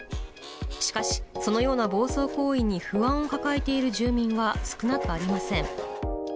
しかし、そのような暴走行為に不安を抱えている住民は少なくありません。